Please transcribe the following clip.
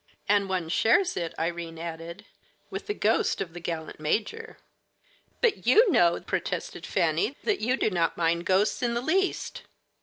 "And one shares it," Irene added, "with the ghost of the gallant major." "But you know," protested Fanny, "that you do not mind ghosts in the least."